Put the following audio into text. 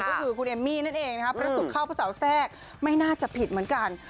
ก็คือคุณเอมมี่นั่นเองนะครับพระศุกร์เข้าพระเสาแทรกไม่น่าจะผิดเหมือนกัน